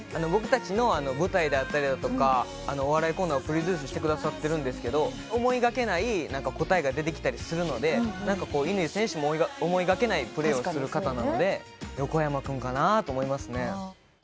僕たちの舞台であったりだとかお笑いコーナーをプロデュースしてくださってるんですけど思いがけない答えが出てきたりするのでなんかこう乾選手も思いがけないプレーをする方なので横山君かなと思いますね。